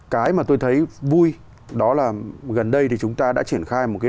cái mà tôi thấy vui đó là gần đây thì chúng ta đã triển khai một cái